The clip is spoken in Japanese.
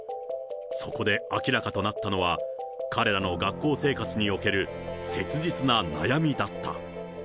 そこで明らかとなったのは、彼らの学校生活における切実な悩みだった。